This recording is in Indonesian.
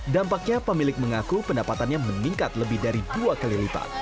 dampaknya pemilik mengaku pendapatannya meningkat lebih dari dua kali lipat